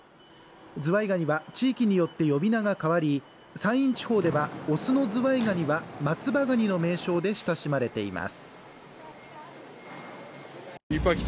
ズワイガニは地域によって呼び名が変わり山陰地方では雄のズワイガニは松葉ガニの名称で親しまれています。